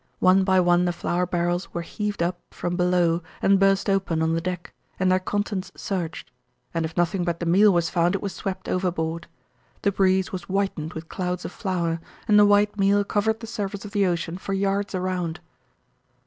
One by one the flour barrels were heaved up from below and burst open on the deck and their contents searched, and if nothing but the meal was found it was swept overboard. The breeze was whitened with clouds of flour, and the white meal covered the surface of the ocean for yards around.